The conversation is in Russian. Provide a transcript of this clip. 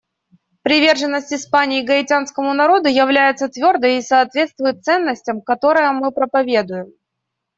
Приверженность Испании гаитянскому народу является твердой и соответствует ценностям, которые мы проповедуем.